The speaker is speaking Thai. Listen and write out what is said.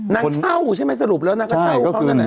นั่งเช่าใช่ไหมสรุปแล้วนั่งเช่าเขานั่น